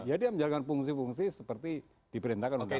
ya dia menjalankan fungsi fungsi seperti diperintahkan oleh pemerintah